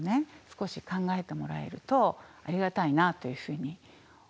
少し考えてもらえるとありがたいなというふうに思っています。